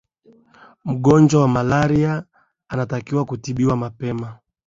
mgonjwa wa malaria anatakiwa kutibiwa mapema